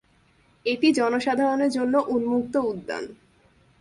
এটি জনসাধারণের জন্য উন্মুক্ত উদ্যান।